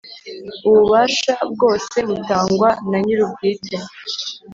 Ububasha bwose butangwa na nyir’ubwite